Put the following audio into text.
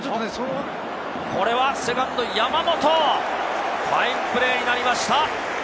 これはセカンド・山本、ファインプレーになりました。